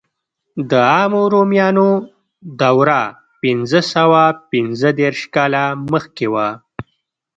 د عامو رومیانو دوره پنځه سوه پنځه دېرش کاله مخکې وه.